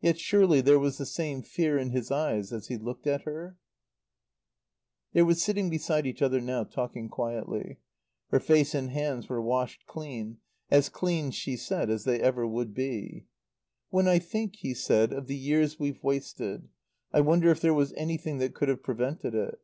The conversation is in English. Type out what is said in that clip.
Yet surely there was the same fear in his eyes as he looked at her? They were sitting beside each other now, talking quietly. Her face and hands were washed clean; as clean, she said, as they ever would be. "When I think," he said, "of the years we've wasted. I wonder if there was anything that could have prevented it."